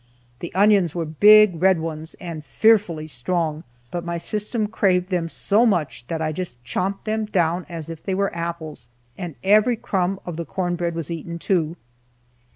The onions were big red ones, and fearfully strong, but my system craved them so much that I just chomped them down as if they were apples. And every crumb of the corn bread was eaten, too.